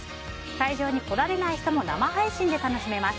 会場に来られない人も生配信で楽しめます。